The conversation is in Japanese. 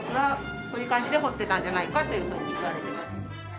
こういう感じで掘ってたんじゃないかというふうにいわれています。